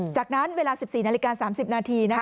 จากนั้นเวลา๑๔นาฬิกา๓๐นาที